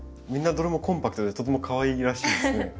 みんなどれもコンパクトでとてもかわいらしいですね。